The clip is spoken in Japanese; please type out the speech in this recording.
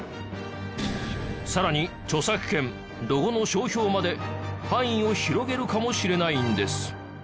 さらに著作権ロゴの商標まで範囲を広げるかもしれないんです。